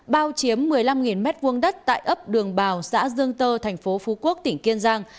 bao chiếm một mươi năm m hai đất tại ấp đường bào xã dương tơ thành phố phú quốc tỉnh kiên giang